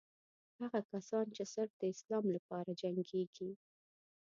هغه کسان چې صرف د اسلام لپاره جنګېږي.